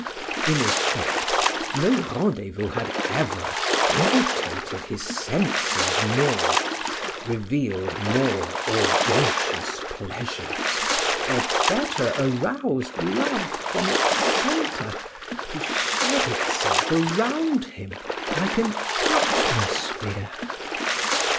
In effect, no rendezvous had ever irritated his senses more, revealed more audacious pleasures, or better aroused love from its centre to shed itself round him like an atmosphere.